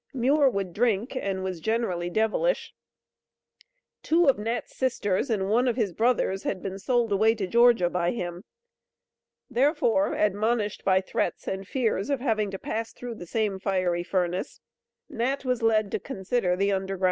"Muir would drink and was generally devilish." Two of Nat's sisters and one of his brothers had been "sold away to Georgia by him." Therefore, admonished by threats and fears of having to pass through the same fiery furnace, Nat was led to consider the U.G.R.